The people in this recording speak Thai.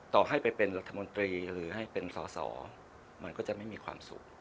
ต่อให้ไปเป็นรัฐมนตรีหรือให้เป็นสอสอมันก็จะไม่มีความสุข